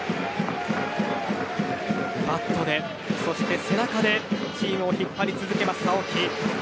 バットで、そして背中でチームを引っ張り続けます青木。